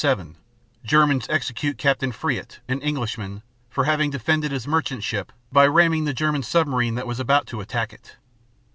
17 July 27 Germans execute Captain Fryatt, an Englishman, for having defended his merchant ship by ramming the German submarine that was about to attack it.